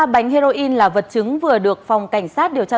ba bánh heroin là vật chứng vừa được phòng cảnh sát điều tra